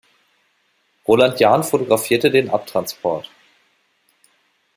Roland Jahn fotografierte den Abtransport.